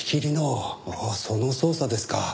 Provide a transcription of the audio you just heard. ああその捜査ですか。